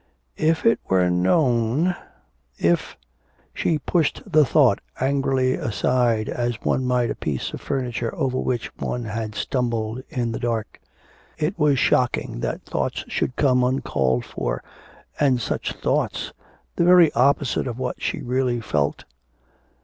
If it were known if she pushed the thought angrily aside as one might a piece of furniture over which one has stumbled in the dark. It was shocking that thoughts should come uncalled for, and such thoughts! the very opposite of what she really felt.